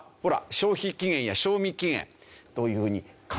消費期限や賞味期限というふうに変わった。